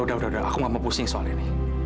udah udah aku gak mau pusing soal ini